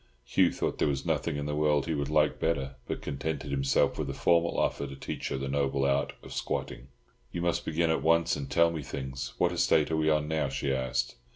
Hugh thought there was nothing in the world he would like better, but contented himself with a formal offer to teach her the noble art of squatting. "You must begin at once and tell me things. What estate are we on now?" she asked.